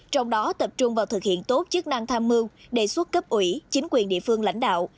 trong đó tập trung vào thực hiện tốt chức năng tham mưu đề xuất cấp ủy chính quyền địa phương lãnh đạo